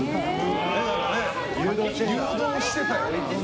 誘導してた。